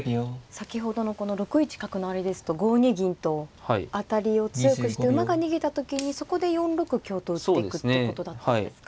先ほどの６一角成ですと５二銀と当たりを強くして馬が逃げた時にそこで４六香と打っていくっていうことだったんですか。